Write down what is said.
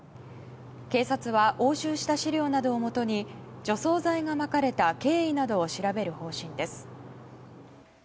警察は押収した資料などをもとに除草剤がまかれた経緯などを調べる方針です。